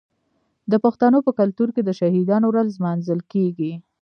د پښتنو په کلتور کې د شهیدانو ورځ لمانځل کیږي.